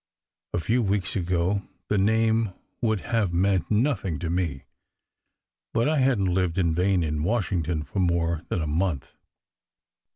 A few weeks ago the name would have meant nothing to me, but I hadn t lived in vain in Washington for more than a month.